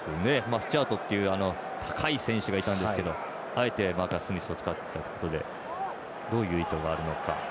スチュアートという高い選手がいたんですけどあえてまたスミスを使ったことでどういう意図があるのか。